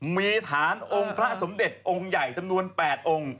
มีฐานองค์พระสมเด็จองค์ใหญ่จำนวน๘องค์